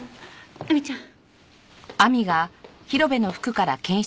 亜美ちゃん。